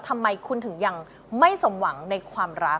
ทำไมคุณถึงยังไม่สมหวังในความรัก